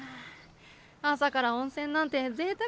朝から温泉なんてぜいたくですね。